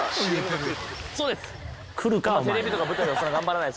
そうです。